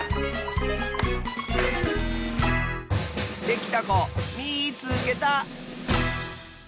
できたこみいつけた！